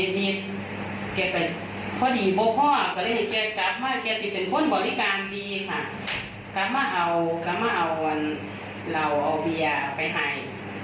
เจ๊แดงอยู่นั่งกันข้าวนึงมันเยือนไห่